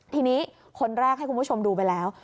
ทีนี้คนแรกให้คุณผู้ชมดูไปแล้ว